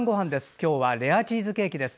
今日はレアチーズケーキです。